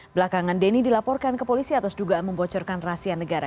belakangan denny dilaporkan ke polisi atas dugaan membocorkan rahasia negara